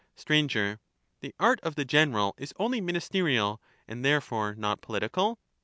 Sir. The art of the general is only ministerial, and there fore not political